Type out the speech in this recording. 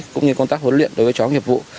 cũng như công tác huấn luyện đối với chó nghiệp vụ